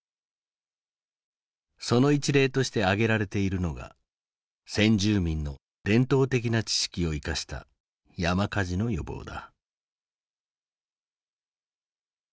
その一例として挙げられているのが先住民の伝統的な知識を生かした山火事の予防だ。